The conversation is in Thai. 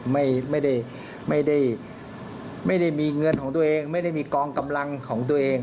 ไม่ได้ไม่ได้มีเงินของตัวเองไม่ได้มีกองกำลังของตัวเอง